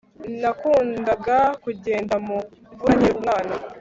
Nakundaga kugenda mu mvura nkiri umwana